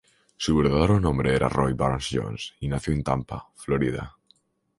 Su verdadero nombre era Roy Barnes Jones, y nació en Tampa, Florida.